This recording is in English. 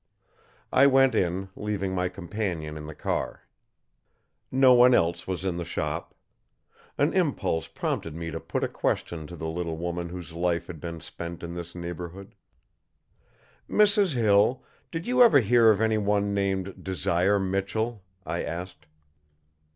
I went in, leaving my companion in the car. No one else was in the shop. An impulse prompted me to put a question to the little woman whose life had been spent in this neighborhood. "Mrs. Hill, did you ever hear of anyone named Desire Michell?" I asked.